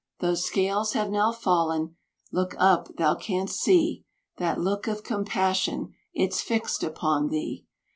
Those scales have now fallen; look up, thou canst see That look of compassion, it's fixed upon thee.